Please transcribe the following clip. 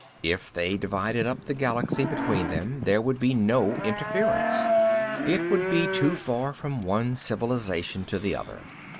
If they divided up the Galaxy between them, there would be no interference; it would be too far from one civilization to the other.